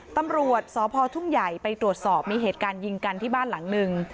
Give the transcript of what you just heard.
ตำรวจสพทุ่งใหญ่ไปตรวจสอบมีเหตุการณ์ยิงกันที่บ้านหลังหนึ่ง